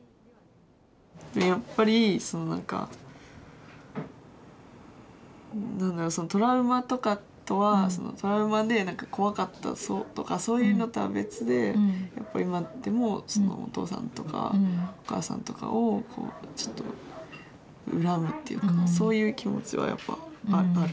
やっぱりその何か何だろうそのトラウマとかとはトラウマで何か怖かったとかそういうのとは別でやっぱり今でもお父さんとかお母さんとかをこうちょっと恨むっていうかそういう気持ちはやっぱある。